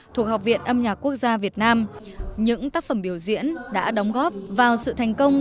thuộc học viện âm nhạc quốc gia việt nam những tác phẩm biểu diễn đã đóng góp vào sự thành công